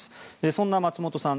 そんな松本さん